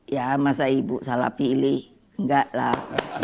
ya masa ibu salah pilih enggak lah